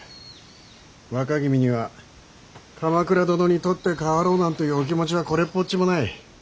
若君には鎌倉殿に取って代わろうなんていうお気持ちはこれっぽっちもない。